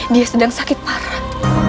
dia sedang sakit parah